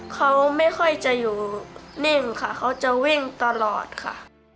เขาไม่ค่อยจะอยู่นิ่งค่ะเขาจะวิ่งตลอดค่ะ